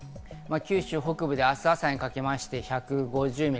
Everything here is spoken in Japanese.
九州北部で明日朝にかけまして１５０ミリ。